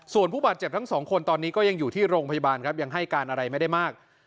ส่วนผู้บาดเจ็บทั้งสองคนตอนนี้ก็ยังอยู่ที่โรงพยาบาลครับยังให้การอะไรไม่ได้มาก